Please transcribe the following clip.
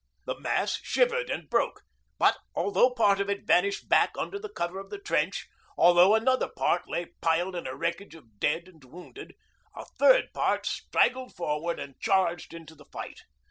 The mass shivered and broke; but although part of it vanished back under the cover of the trench, although another part lay piled in a wreckage of dead and wounded, a third part straggled forward and charged into the fight.